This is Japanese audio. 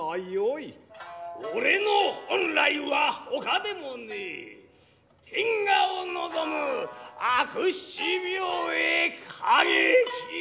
俺の本来はほかでもねえ天下を望む悪七兵衛景清！